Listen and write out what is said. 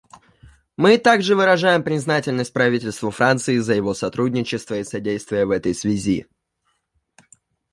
Мы также выражаем признательность правительству Франции за его сотрудничество и содействие в этой связи.